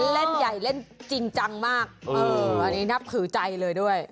เล่นใหญ่เล่นจริงจังมากเอออันนี้นับถือใจเลยด้วย